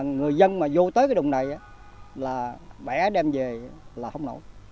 người dân mà vô tới cái đồng này á là bẻ đem về là không nổi